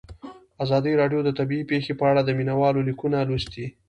ازادي راډیو د طبیعي پېښې په اړه د مینه والو لیکونه لوستي.